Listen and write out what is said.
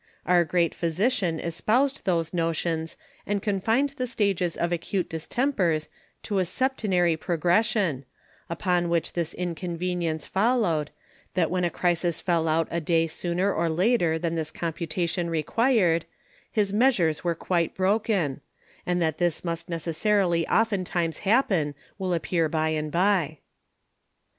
Our great Physician espoused these Notions, and confined the Stages of acute Distempers to a Septenary Progression, upon which this Inconvenience follow'd, that when a Crisis fell out a day sooner or later than this Computation required, his Measures were quite broken; and that this must necessarily oftentimes happen, will appear by and by.